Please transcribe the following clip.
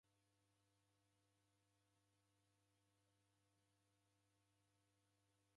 Kwa itanaa siw'efikiria nicha